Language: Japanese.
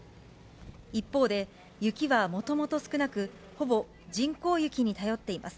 一方で、雪はもともと少なく、ほぼ人工雪に頼っています。